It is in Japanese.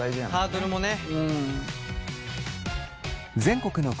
ハードルもね。